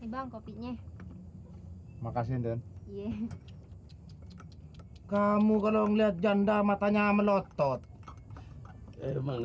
bang kopinya makasih dan kamu kalau ngelihat janda matanya melotot emang